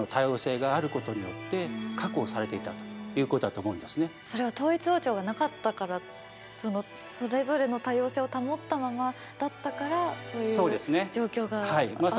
共存したわけですからそれは統一王朝がなかったからそれぞれの多様性を保ったままだったからそういう状況があったということですね。